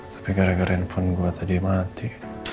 tapi gara gara handphone gue tadi mati